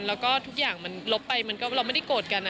แล้วก็ทุกอย่างมันลบไปมันก็เราไม่ได้โกรธกัน